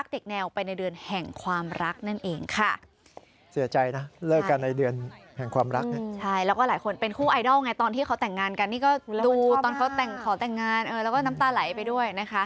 เขาแต่งงานกันนี่ก็ดูตอนเขาขอแต่งงานแล้วก็น้ำตาไหลไปด้วยนะคะ